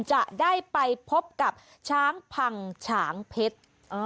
จะได้ไปพบกับช้างพังฉางเพชร